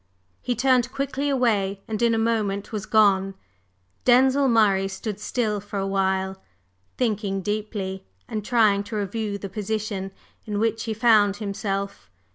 He turned quickly away, and in a moment was gone. Denzil Murray stood still for a while, thinking deeply, and trying to review the position in which he found himself.